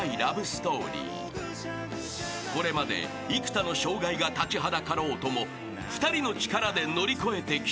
［これまで幾多の障害が立ちはだかろうとも２人の力で乗り越えてきた］